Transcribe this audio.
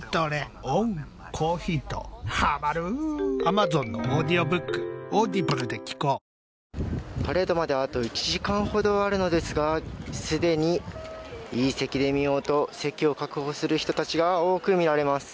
待てども待てどもパレードまであと１時間ほどあるのですがすでに、いい席で見ようと席を確保する人たちが多く見られます。